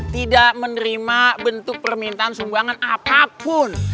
tidak menerima bentuk permintaan sumbangan apapun